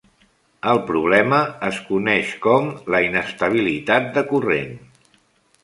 El problema es coneix com la "inestabilitat de corrent".